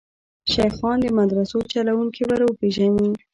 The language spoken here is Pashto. شیخان د مدرسو چلوونکي وروپېژني.